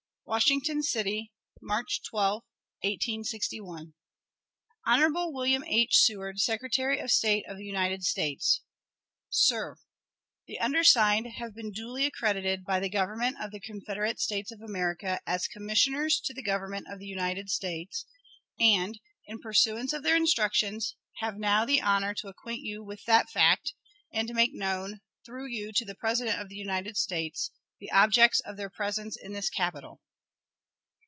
_ Washington City, March 12, 1861. Hon. William H. Seward, Secretary of State of the United States. Sir: The undersigned have been duly accredited by the Government of the Confederate States of America as commissioners to the Government of the United States, and, in pursuance of their instructions, have now the honor to acquaint you with that fact, and to make known, through you to the President of the United States, the objects of their presence in this capital.